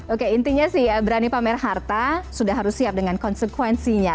oke intinya sih berani pamer harta sudah harus siap dengan konsekuensinya